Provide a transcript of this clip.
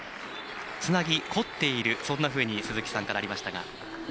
つなぎが凝っているそんなふうに鈴木さんからありましたが。